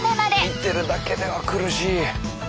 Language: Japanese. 見てるだけでは苦しい。